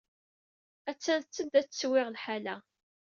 Atan tetteddu ad tettwiɣ lḥala.